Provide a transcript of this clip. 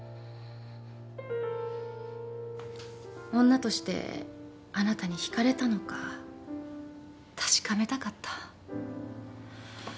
女としてあなたに引かれたのか確かめたかった。